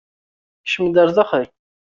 Kcem-d ar daxel!